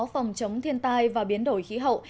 phòng chống thiên tai và biến đổi khí hậu